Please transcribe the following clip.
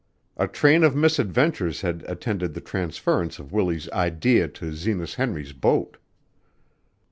A train of misadventures had attended the transference of Willie's "idee" to Zenas Henry's boat.